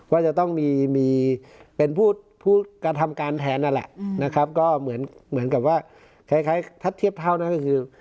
ว่าจะต้องมีมีเป็นผู้กระทำการแทนนั่นแหละนะครับก็เหมือนกับว่าคล้ายถ้าเทียบเท่านั้นก็คือ